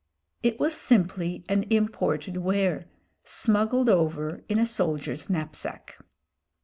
It was simply an imported ware, smuggled over in a soldier's knapsack.